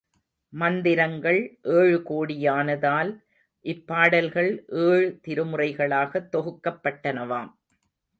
மந்திரங்கள் ஏழுகோடியானதால் இப்பாடல்கள் ஏழு திருமுறைகளாகத் தொகுக்கப்பட்டனவாம்.